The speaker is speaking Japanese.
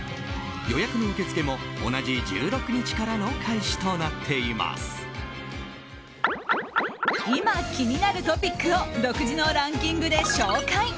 予約の受け付けも同じ１６日からの今、気になるトピックを独自のランキングで紹介！